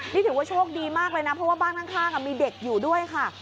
นี่ถือว่าโชคดีมากเลยนะเพราะว่าบ้านข้างมีเด็กอยู่ด้วยค่ะ